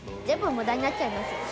全部無駄になっちゃいます